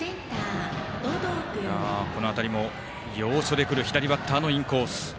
この辺りも要所でくる左バッターのインコース。